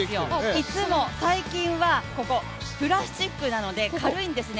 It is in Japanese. いつも、最近はここプラスチックなので軽いんですよね。